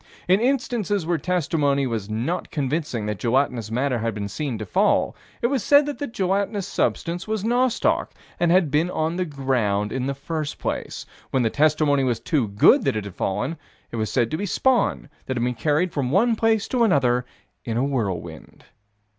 In instances where testimony was not convincing that gelatinous matter had been seen to fall, it was said that the gelatinous substance was nostoc, and had been upon the ground in the first place: when the testimony was too good that it had fallen, it was said to be spawn that had been carried from one place to another in a whirlwind.